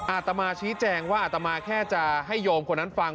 อาตมาชี้แจงว่าอาตมาแค่จะให้โยมคนนั้นฟัง